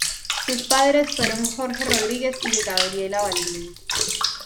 Sus padres fueron Jorge Rodríguez y Gabriela Balbín.